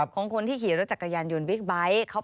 ของคนที่ขี่รถจักรยานยนต์บิ๊กไบท์